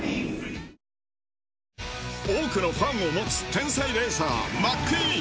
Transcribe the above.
多くのファンを持つ天才レーサー、マックィーン。